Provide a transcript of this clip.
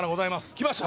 きました。